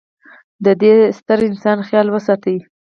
د د ې ستر انسان خیال وساتي.